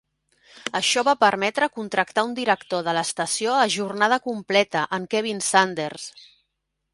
Això va permetre contractar un director de l"estació a jornada completa, en Kevin Sanders.